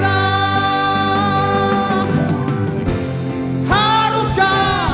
haruskan kita berhenti berhenti